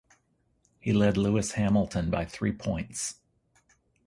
He led Lewis Hamilton by three points.